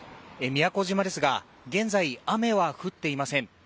宮古島ですが、現在、雨は降っていません。